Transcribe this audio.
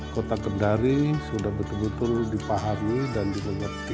kota kendari sudah betul betul dipahami dan dimengerti